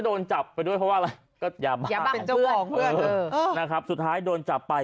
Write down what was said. โดนจับไปด้วยเพราะว่าอะไรก็ยาบ้าเป็นเจ้าของเพื่อนนะครับสุดท้ายโดนจับไป